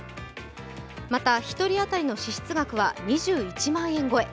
また１人当たりの支出額は２１万円超え。